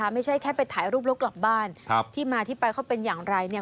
ไม่ใช่แค่ไปถ่ายรูปแล้วกลับบ้านที่มาที่ไปเขาเป็นอย่างไรเนี่ย